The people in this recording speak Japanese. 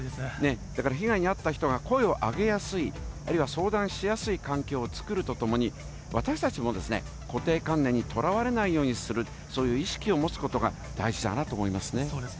だから被害に遭った人が声を上げやすい、あるいは相談しやすい環境を作るとともに、私たちもですね、固定観念にとらわれないようにする、そういう意識を持つことが大そうですね。